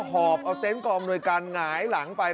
พอบเอาเต้นกรอบหน่วยกันหงายหลังไป